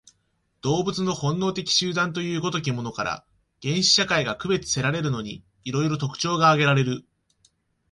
動物の本能的集団という如きものから、原始社会が区別せられるのに、色々特徴が挙げられる。